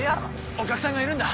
お客さんがいるんだ！